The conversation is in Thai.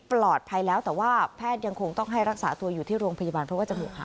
ปลอดภัยแล้วแต่ว่าแพทย์ยังคงต้องให้รักษาตัวอยู่ที่โรงพยาบาลเพราะว่าจมูกหัก